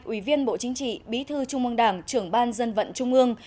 ủy viên bộ chính trị bí thư trung mương đảng trưởng ban dân vận trung mương